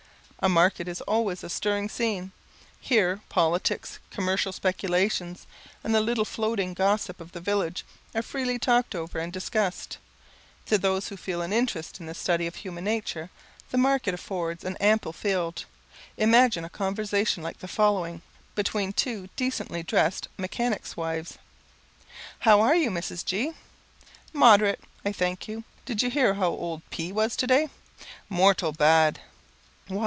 A market is always a stirring scene. Here politics, commercial speculations, and the little floating gossip of the village, are freely talked over and discussed. To those who feel an interest in the study of human nature, the market affords an ample field. Imagine a conversation like the following, between two decently dressed mechanics' wives: "How are you, Mrs. G ?" "Moderate, I thank you. Did you hear how old P was to day?" "Mortal bad." "Why!